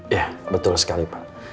ya betul sekali pak